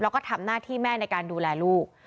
แล้วก็ทำหน้าที่แม่ในการดูแลลูก